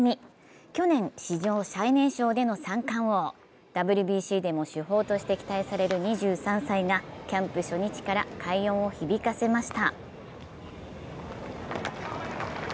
去年、史上最年少での三冠王ＷＢＣでも主砲として期待される２３歳がキャンプ初日から快音を響かせました。